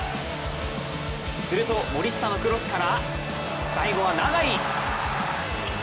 すると森下のクロスから、最後は永井！